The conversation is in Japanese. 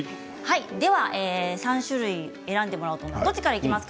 では３種類選んでもらおうと思います。